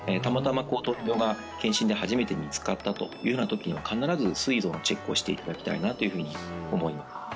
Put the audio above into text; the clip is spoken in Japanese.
たまたま糖尿病が検診で初めて見つかったというようなときには必ずすい臓のチェックをしていただきたいなというふうに思います